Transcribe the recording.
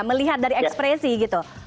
melihat dari ekspresi gitu